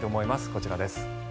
こちらです。